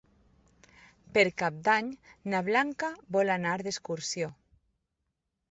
Per Cap d'Any na Blanca vol anar d'excursió.